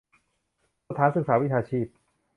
สถานศึกษาวิชาชีพ